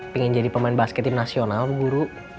pingin jadi pemain basket tim nasional tuh buru